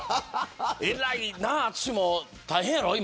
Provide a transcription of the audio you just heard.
えらいな淳も、大変やろ。